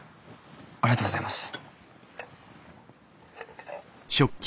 ありがとうございます。